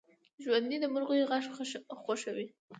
ژوندي د مرغیو غږ خوښوي